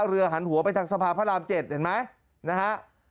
เรือหันหัวไปทางสภาพระราม๗เห็นไหมนะฮะ